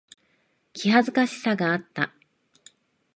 気恥ずかしさがあった。